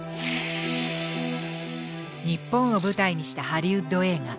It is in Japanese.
日本を舞台にしたハリウッド映画「ＳＡＹＵＲＩ」。